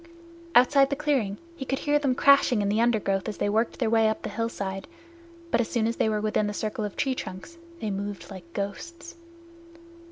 Outside the clearing he could hear them crashing in the undergrowth as they worked their way up the hillside, but as soon as they were within the circle of the tree trunks they moved like ghosts.